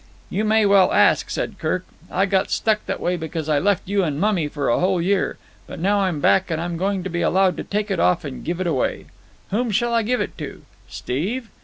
"You may well ask," said Kirk. "I got struck that way because I left you and mummy for a whole year. But now I'm back I'm going to be allowed to take it off and give it away. Whom shall I give it to? Steve?